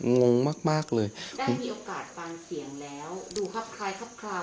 งงมากมากเลยได้มีโอกาสฟังเสียงแล้วดูครับคล้ายครับคล้าว่าเป็นเสียงท่าน